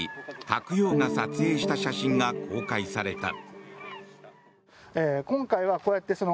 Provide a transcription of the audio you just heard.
「はくよう」が撮影した写真が公開された。